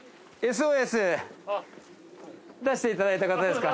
ＳＯＳ出していただいた方ですか？